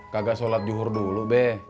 kagak sholat yuhur dulu beh